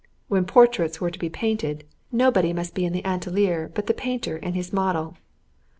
When portraits were being painted, nobody must be in the atelier but the painter and his model.